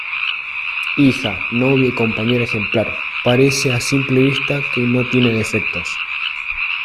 Hija, novia y compañera ejemplar, parece a simple vista que no tiene defectos.